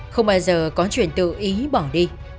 không bao giờ có chuyện tự ý bỏ đi